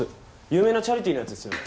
有名なチャリティーのやつですよね？